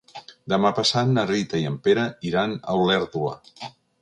Demà passat na Rita i en Pere iran a Olèrdola.